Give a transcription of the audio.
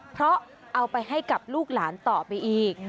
เพราะเอาไปให้กับลูกหลานต่อไปอีก